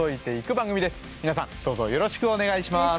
この番組は皆さんどうぞよろしくお願いします。